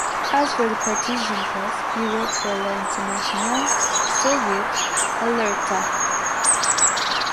As for the partisan press, he wrote for “La Internacional,” “Soviet,” “Alerta!”